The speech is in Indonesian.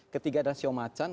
ketiga adalah ceo macan